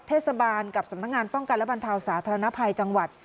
เทศบาลกับสำนักงานป้องกันและบรรเทาสาธารณภัยจังหวัด